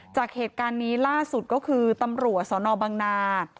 จากเหตุการณ์นี้ล่าสุดก็คือตำรวจสนบังนา